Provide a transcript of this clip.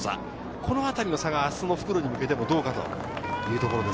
このあたりの差が明日の復路に向けてどうかというところです。